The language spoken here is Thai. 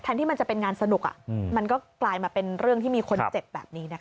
ที่มันจะเป็นงานสนุกมันก็กลายมาเป็นเรื่องที่มีคนเจ็บแบบนี้นะคะ